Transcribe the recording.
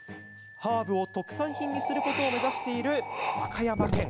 ハーブを特産品にすることを目指している和歌山県。